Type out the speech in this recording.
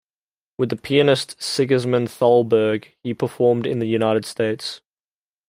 With the pianist Sigismond Thalberg, he performed in the United States.